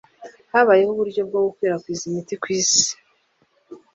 habayeho uburyo bwo gukwirakwiza imiti ku isi,